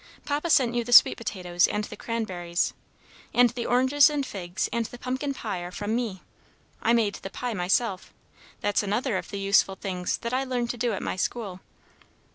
Papa sent you the sweet potatoes and the cranberries; and the oranges and figs and the pumpkin pie are from me. I made the pie myself. That's another of the useful things that I learned to do at my school."